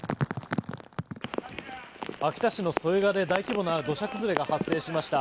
秋田市の添川で、大規模な土砂崩れが発生しました。